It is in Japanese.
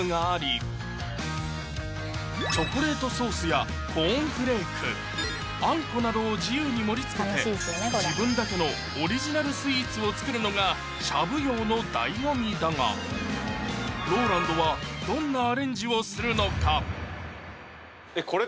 チョコレートソースやコーンフレークあんこなどを自由に盛りつけて自分だけのオリジナルスイーツを作るのがしゃぶ葉の醍醐味だがローランドはどんなアレンジをするのか？